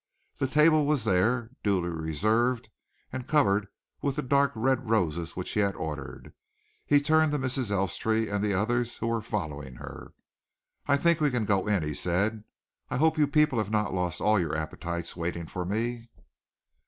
The table was there, duly reserved, and covered with the dark red roses which he had ordered. He turned to Mrs. Elstree and the others who were following her. "I think we can go in," he said. "I hope you people have not lost all your appetites waiting for me."